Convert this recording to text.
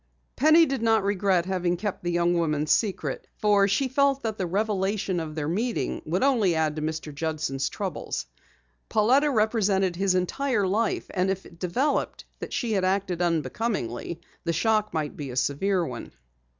Penny did not regret having kept the young woman's secret, for she felt that the revelation of their meeting would only add to Mr. Judson's troubles. Pauletta represented his entire life, and if it developed that she had acted unbecomingly, the shock might be a severe one.